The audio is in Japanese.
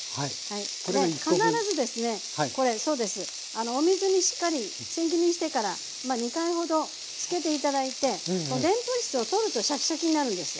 あのお水にしっかりせん切りにしてから２回ほどつけて頂いてこうでんぷん質を取るとシャキシャキになるんです。